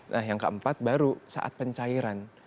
nah yang keempat baru saat pencairan